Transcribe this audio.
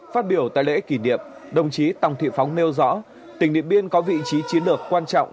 phát biểu tại lễ kỷ niệm đồng chí tòng thị phóng nêu rõ tỉnh điện biên có vị trí chiến lược quan trọng